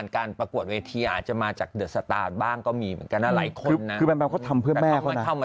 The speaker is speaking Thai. เขาถึงตั้งตั้งพื้นแม่เขานะ